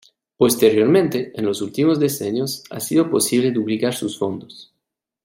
Posteriormente, en los últimos decenios, ha sido posible duplicar sus fondos.